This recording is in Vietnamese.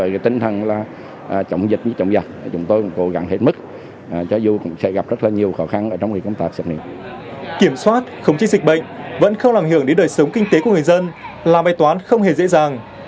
kiểm soát khống chế dịch bệnh vẫn không làm hưởng đến đời sống kinh tế của người dân là bài toán không hề dễ dàng